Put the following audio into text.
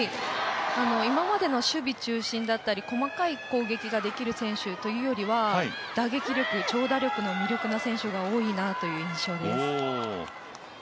今までの守備中心だったり細かい攻撃ができる選手というよりは打撃力、長打力の魅力な選手が多い印象です。